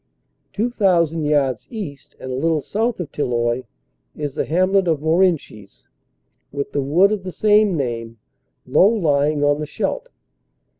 Two thou sand yards east and a little south of Tilloy is the hamlet of Morenchies, with the wood of the same name, low lying on the Scheldt.